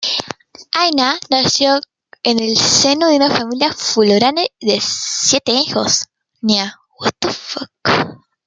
Inna nació en el seno de una familia fulani de siete hijos.